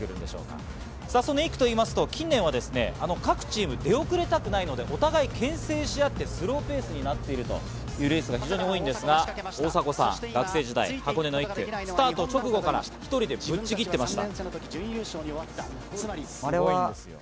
その１区といいますと近年は各チーム、出遅れたくないので、お互い牽制し合って、スローペースになっているというレースが非常に多いんですが大迫さん、学生時代、スタート直後から１人でぶっちぎっていました。